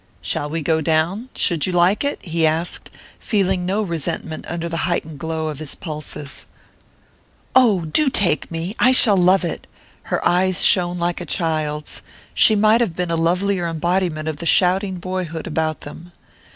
"Shall we go down? Should you like it?" he asked, feeling no resentment under the heightened glow of his pulses. "Oh, do take me I shall love it!" Her eyes shone like a child's she might have been a lovelier embodiment of the shouting boyhood about them.